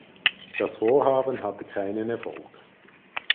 Das Vorhaben hatte keinen Erfolg.